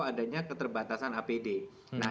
adanya keterbatasan apd nah